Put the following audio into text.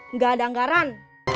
nggak ada anggaran